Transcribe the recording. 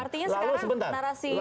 artinya sekarang narasi positifnya